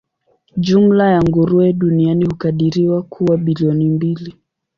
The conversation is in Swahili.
Jumla ya nguruwe duniani hukadiriwa kuwa bilioni mbili.